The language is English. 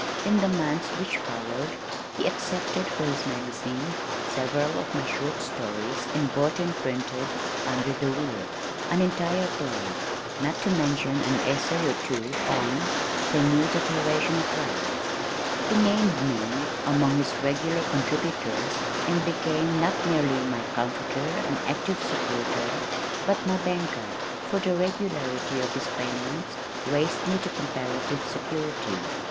In the months which followed he accepted for his magazine several of my short stories and bought and printed Under the Wheel, an entire play, not to mention an essay or two on The New Declaration of Rights. He named me among his "regular contributors," and became not merely my comforter and active supporter but my banker, for the regularity of his payments raised me to comparative security.